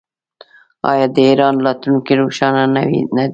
آیا د ایران راتلونکی روښانه نه دی؟